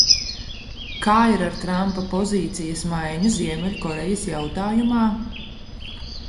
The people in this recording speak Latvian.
Kā ir ar Trampa pozīcijas maiņu Ziemeļkorejas jautājumā?